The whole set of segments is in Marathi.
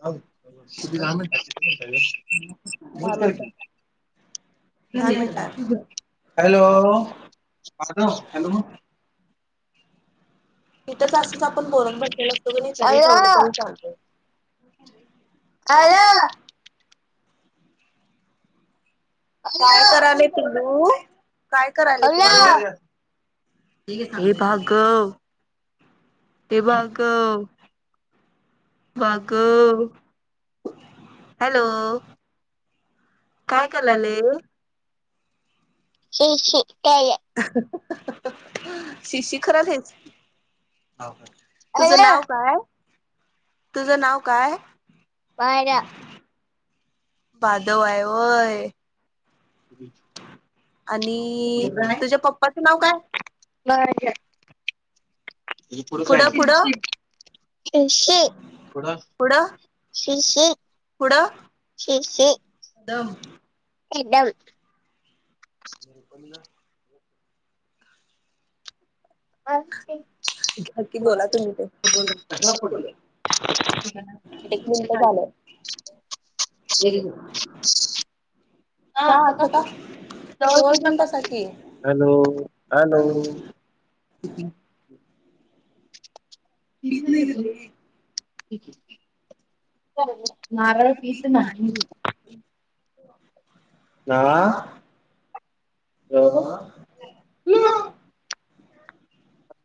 [unintelligible] हॅलो [unintelligible] [unintelligible] [unintelligible] हे भागव ते भागव अगं हॅलो काय कलाले [unintelligible] शिशी खरालीच तुझं नाव काय? तुझं नाव काय? पदाव आहे ओय. आणि तुझ्या पप्पाच नाव‌ काय? [unintelligible] पुढ पुढं दम. [unintelligible] [unintelligible] की बोला तुम्ही ते. एक मिनिट झालं. [inaudible] का आत्ता का? जवळतुन पासा की. [inaudible] [inaudible] हो. नो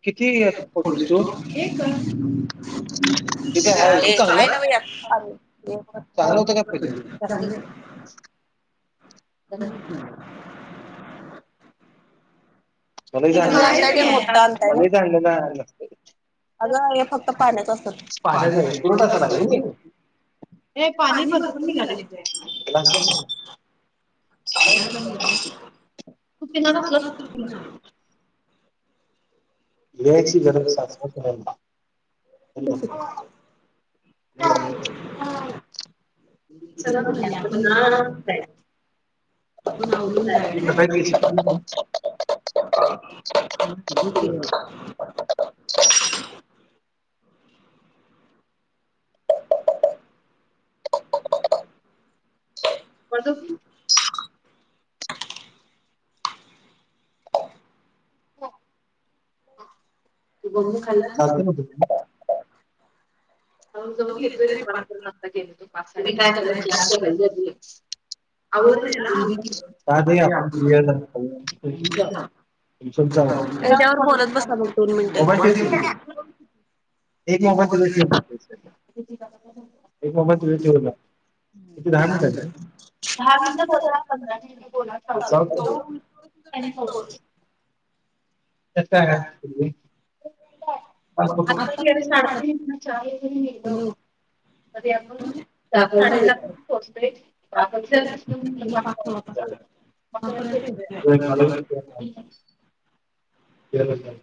[unintelligible] [unintelligible] [unintelligible] तुम्ही आणतय ते मोठ्ठा आणतय ना? अगं हे फक्त पाण्याच असतात. ते पाणी भरपूर निघाले. [unintelligible] लेयाची गरज साचण्या. [unintelligible] [unintelligible] [unintelligible] [unintelligible] [unintelligible] पडतो की [unintelligible] [inaudible] [unintelligible] [unintelligible] [unintelligible] [unintelligible] [unintelligible] किती दहा मिनिटांनी न दहा मिनिट बोला पंधरा मिंट बोला. [unintelligible] [unintelligible] कसा आहे तुम्ही? [unintelligible] तरी आपण. [unintelligible] [unintelligible] बेरोजगार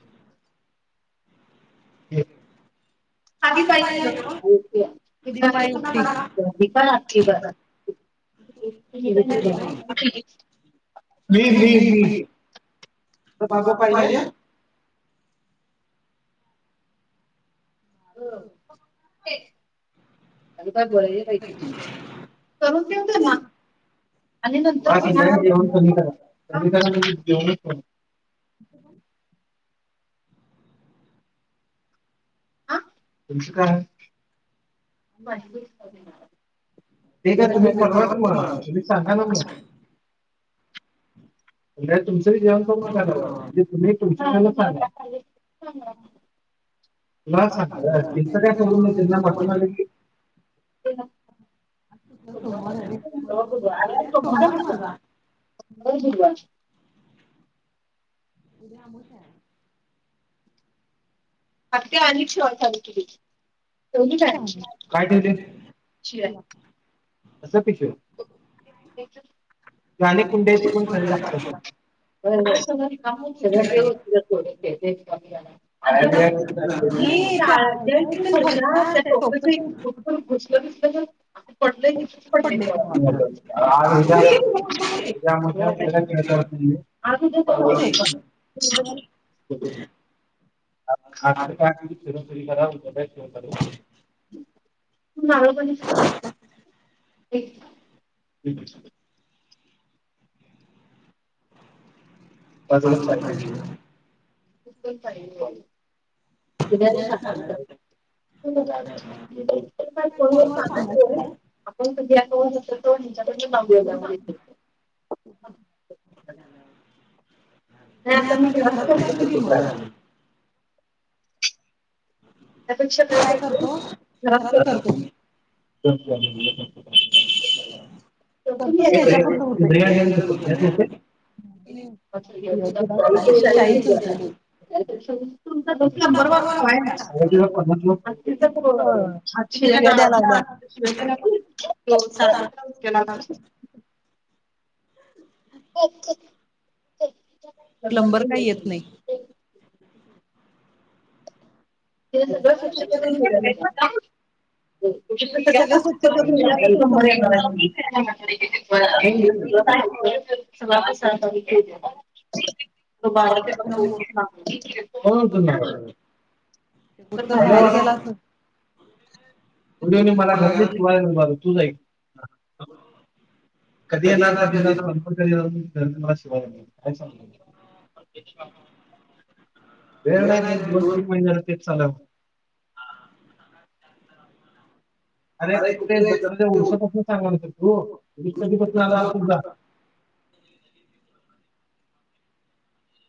[unintelligible] [unintelligible] [unintelligible] तुला दाखव पाहिजे. हम् [unintelligible] आणि काय बोलाय नाही पाहिजे करून देव त्यांना. [unintelligible] [unintelligible] ठीकआहे तुम्ही पडवा की मग तुम्ही सांगा ना मग. उदया तुमचंही जेवण करू नकाराव म्हणजे तुम्ही तुमच्या. [unintelligible] तुला सांगते त्यांचं काय सोडून घे त्यांना म्हटून आले की. [unintelligible] उद्या अमावश्या आहे. [unintelligible] असं पिक्चर त्याली कुंड्याची पण खली टाकतो. [unintelligible] [unintelligible] पडलेय तिथे. [unintelligible] [unintelligible] [unintelligible] तू नाव बनीच आहे ना असं. [unintelligible] [unintelligible] [unintelligible] फोनवर सांगायचा काय? आपण कधी असं उचलतो आणि. [unintelligible] नाही आता मी घरात. [unintelligible] त्यापेक्षा काय करते. [unintelligible] [inaudible] [unintelligible] [unintelligible] [unintelligible] [unintelligible] [unintelligible] प्लंबर काही येत नाही. [unintelligible] [unintelligible] [unintelligible] हो तुम्ही आले. कुठं तरी बाहेर गेला असेल. उदया नी मला घर [unintelligible] तू जाईल. कधी येणार कधी ना. [unintelligible] वेळ नाही ते दोन तीन महिनाने तेच चालव. अरे जत्राच्या उरषपासून सांगा ना तर तू कधीपासन आला ना तुझा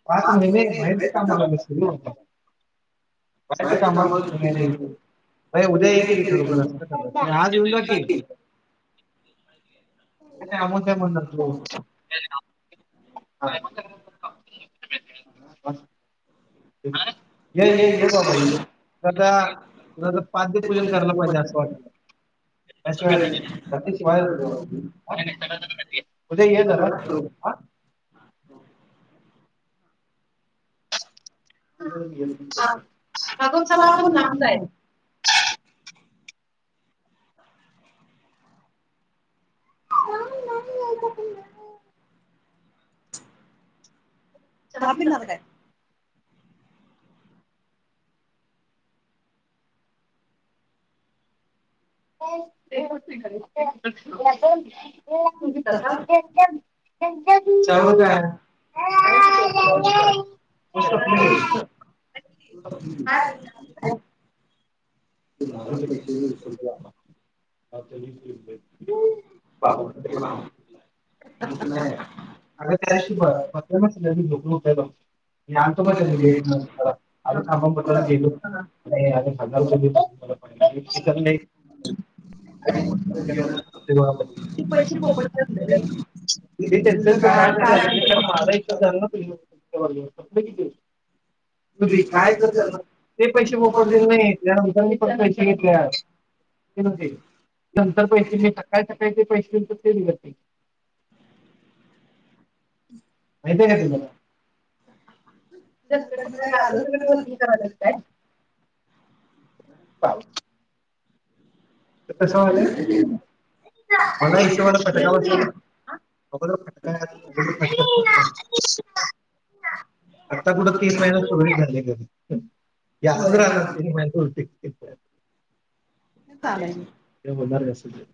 पाच महिने भयंती कामं झालोस त्या साठी कामं. [unintelligible] बई उद्या हे केरी खरोबरस्त. [unintelligible] [unintelligible] आता पाद्यपूजन करायला पाहिजे असं वाटला. [unintelligible] हा हो [unintelligible] चहा पीणार काय? [unintelligible] [unintelligible] [inaudible] [unintelligible] [unintelligible] [unintelligible] [unintelligible] [unintelligible] [unintelligible] [unintelligible] [inaudible] [unintelligible] [unintelligible] [unintelligible] [unintelligible] नंतर पैसे मी टकाय टकायचे पैसे तुमचं पेन घेतय की. माहती का तुला? [unintelligible] पाऊस [unintelligible] [unintelligible] [unintelligible] आता कुठं तीन महिने पूर्वी झालेलं, [unintelligible] तीन महिने उरतील. [unintelligible]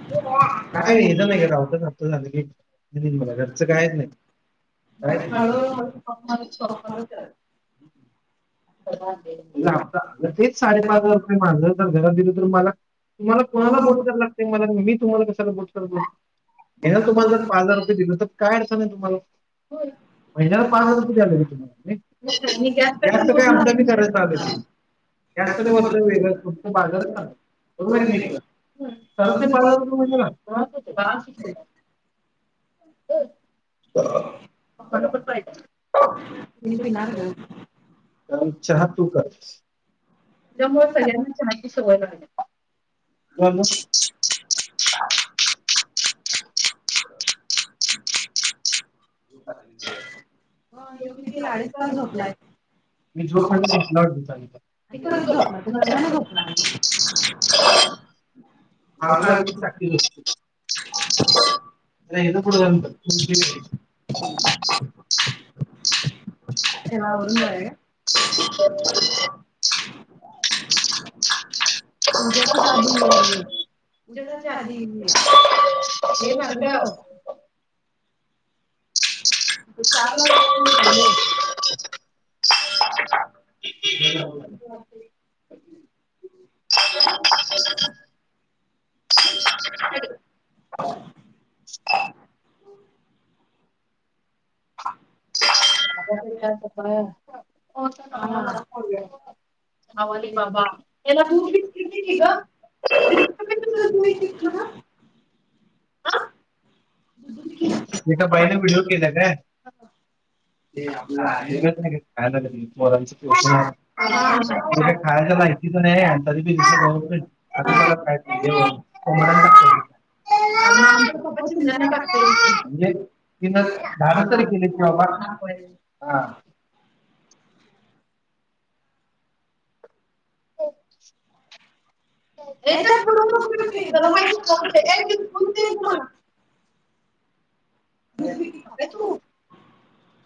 [unintelligible] [unintelligible] आता तेच साडेपाच हजार रुपये माझं जर घरात दिलं तर मला तुम्हाला कोणाला बोट कराला लागत मला मी तुम्हाला कशाला बोट करतो. ह्याने तुम्हाला जर पाच हजार रुपये दिले तर काय अडचण आहे तुम्हाला? [unintelligible] [unintelligible] ते असं नाही वरचा वेगळं असतो, तुम्ही बाजार सांगा बरोबर नाही. [unintelligible] दे [unintelligible] तुम्ही पिणार गं. कारण चहा तु करतेस. त्यामुळे सगळ्यांना चहाची सवय लागली. हा यो किती अडीच तास झोपलाय. [unintelligible] [inaudible] [unintelligible] [inaudible] ह्याला आवरून जाऊ या. [unintelligible] [unintelligible] [unintelligible] [unintelligible] [inaudible] [inaudible] [unintelligible] [unintelligible] एका बाईने व्हिडिओ केला काय? [unintelligible] [unintelligible] [unintelligible] [unintelligible] [unintelligible] [unintelligible] [unintelligible] रे तू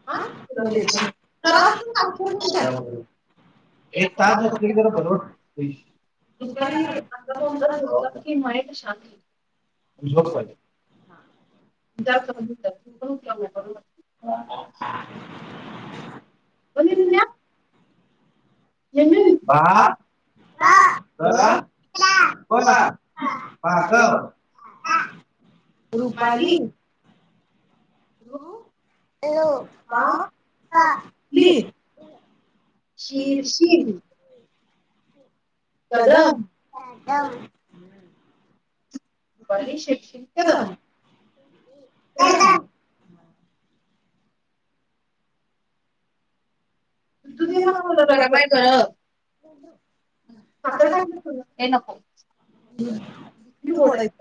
[unintelligible] एक तास झोपलेलं जरा बरं वाटतेय. [unintelligible] [unintelligible] [unintelligible] [unintelligible] [unintelligible] [unintelligible] रूपाली [unintelligible] [unintelligible] शिर शिर [unintelligible] रूपाली शिरशिर कदम. [unintelligible] तू उद्या मला बोलावला बाय गं. [unintelligible] हम्म किती गोड आहे?